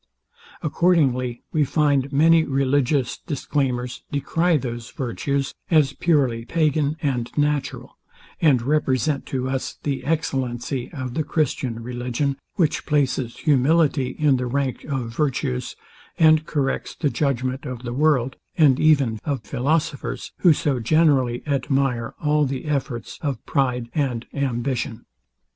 Accordingly we find, that many religious declaimers decry those virtues as purely pagan and natural, and represent to us the excellency of the Christian religion, which places humility in the rank of virtues, and corrects the judgment of the world, and even of philosophers, who so generally admire all the efforts of pride and ambition.